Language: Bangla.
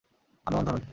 আমি অন্ধ নই।